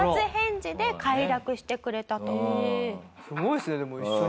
すごいですねでも一緒に。